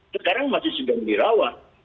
sekarang masih sedang dirawat